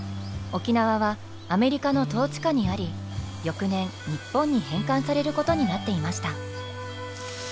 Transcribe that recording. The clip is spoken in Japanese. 沖縄はアメリカの統治下にあり翌年日本に返還されることになっていました。